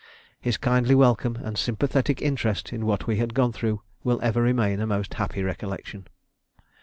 His kindly welcome and sympathetic interest in what we had gone through will ever remain a most happy recollection.